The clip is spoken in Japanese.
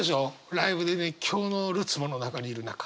ライブで熱狂のるつぼの中にいる中。